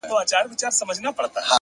هوښیار انسان احساسات مدیریت کوي,